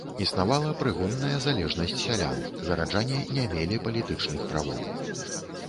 Існавала прыгонная залежнасць сялян, гараджане не мелі палітычных правоў.